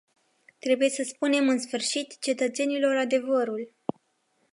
Trebuie să spunem în sfârșit cetățenilor adevărul.